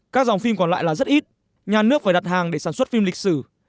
các dòng phim còn lại là rất ít nhà nước phải đặt hàng để sản xuất phim lịch sử